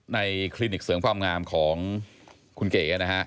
ในคลินิกเสริงความงามของคุณเก๋